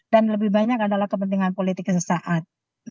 dan lebih banyak adalah kepentingan politiknya sesaat